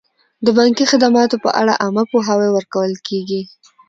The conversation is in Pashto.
د بانکي خدماتو په اړه عامه پوهاوی ورکول کیږي.